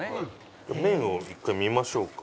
麺を１回見ましょうか。